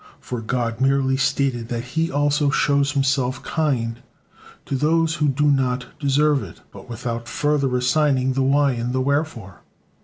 For God merely stated that He also shows Himself kind to those who do not deserve it, but without further assigning the why and the wherefore.